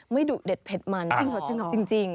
ไม่ดูเด็ดเผ็ดมาน้อยหรอกจริง